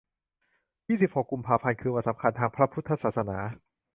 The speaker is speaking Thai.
ยี่สิบหก กุมภาพันธ์ วันสำคัญทางพระพุทธศาสนา